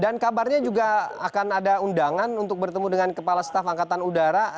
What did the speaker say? dan kabarnya juga akan ada undangan untuk bertemu dengan kepala staf angkatan udara